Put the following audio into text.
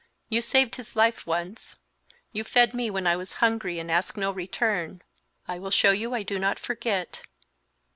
You saved his life once; you fed me when I was hungry and asked no return. I will show you I do not forget.